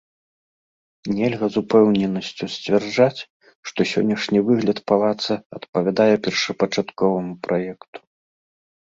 Нельга з упэўненасцю сцвярджаць, што сённяшні выгляд палаца адпавядае першапачатковаму праекту.